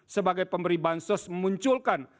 sebagai pemberi bansos memunculkan